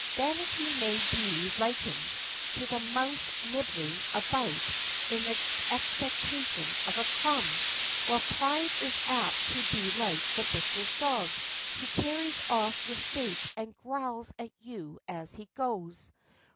Vanity may be likened to the mouse nibbling about in the expectation of a crumb; while pride is apt to be like the butcher's dog, who carries off your steak and growls at you as he goes.